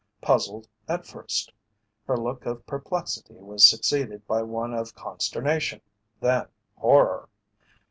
Puzzled at first, her look of perplexity was succeeded by one of consternation, then horror.